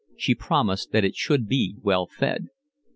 She promised that it should be well fed.